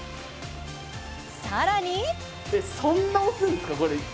さらに！